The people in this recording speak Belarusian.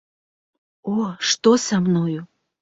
О, што са мною?!.